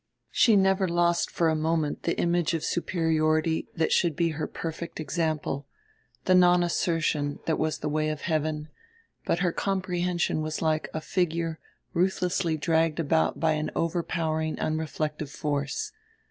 She never lost for a moment the image of superiority that should be her perfect example, the non assertion that was the way of heaven; but her comprehension was like a figure ruthlessly dragged about by an overpowering unreflective force.